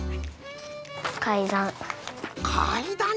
かいだん。